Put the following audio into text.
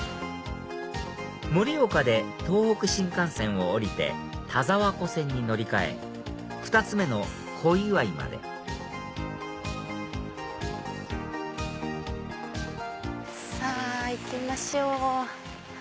盛岡で東北新幹線を降りて田沢湖線に乗り換え２つ目の小岩井までさぁ行きましょう。